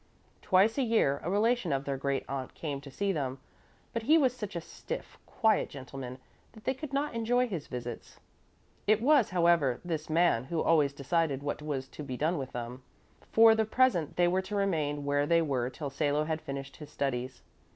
Twice a year a relation of their great aunt came to see them, but he was such a stiff, quiet gentleman that they could not enjoy his visits. It was, however, this man who always decided what was to be done with them. For the present they were to remain where they were till Salo had finished his studies.